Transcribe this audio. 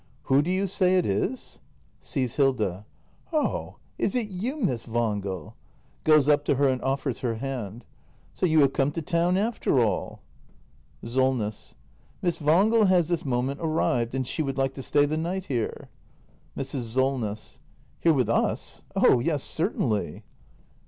] Who do you say it is ? [Sees Hilda.] Oh, is it you, Miss Wangel ? [Goes up to her and offers her hand.] So you have come to town after all. Solness. Miss Wangel has this moment arrived; and she would like to stay the night here. Mrs. Solness. Here with us ? Oh yes, certainly.